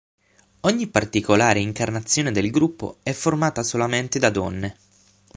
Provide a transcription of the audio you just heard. Questa particolare incarnazione del gruppo è formata solamente da donne.